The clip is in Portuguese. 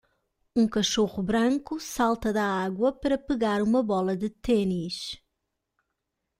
Um cachorro branco salta da água para pegar uma bola de tênis.